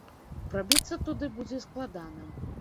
Прабіцца туды будзе складана.